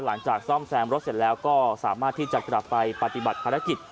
หลังจากซ่อมแซมรถเสร็จแล้วก็สามารถที่จะกลับไปปฏิบัติภารกิจ